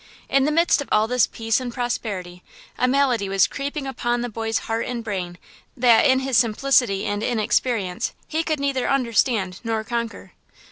In the midst of all this peace and prosperity a malady was creeping upon the boy's heart and brain that, in his simplicity and inexperience, he could neither understand nor conquer.